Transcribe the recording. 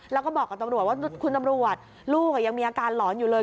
แล้วก็บอกกับตำรวจว่าคุณตำรวจลูกยังมีอาการหลอนอยู่เลย